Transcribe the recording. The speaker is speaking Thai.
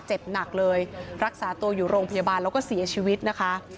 เจ็บหนักเลยรักษาตัวอยู่โรงพยาบาลแล้วก็เสียชีวิตนะคะ